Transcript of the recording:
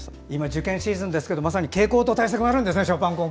今、受験シーズンですけどまさに傾向と対策があるんでしょうね。